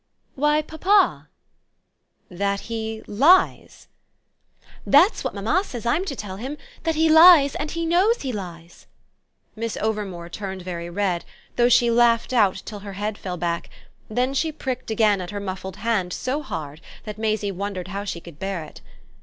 "Why papa." "That he 'lies'?" "That's what mamma says I'm to tell him 'that he lies and he knows he lies.'" Miss Overmore turned very red, though she laughed out till her head fell back; then she pricked again at her muffled hand so hard that Maisie wondered how she could bear it.